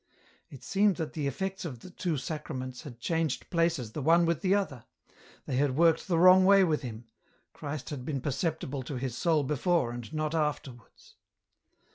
It seemed that the effects of the two Sacraments had changed places the one with the other ; they had worked the wrong way with him ; Christ had been perceptible to his soul before and not afterwards.